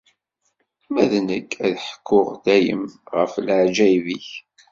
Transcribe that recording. Ma d nekk, ad ḥekkuɣ dayem ɣef leɛǧayeb-ik.